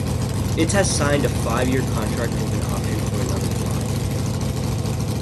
It has signed a five-year contract with an option for another five.